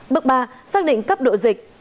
bước ba xác định cấp độ dịch